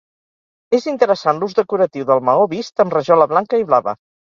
És interessant l'ús decoratiu del maó vist amb rajola blanca i blava.